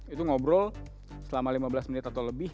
itu ngobrol selama lima belas menit atau lebih